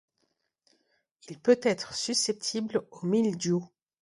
Il peut être susceptible au mildiou.